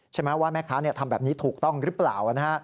ใช่ไหมว่าแม่ค้าทำแบบนี้ถูกต้องหรือเปล่า